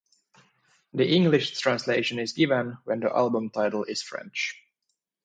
The English translation is given when the album title is French.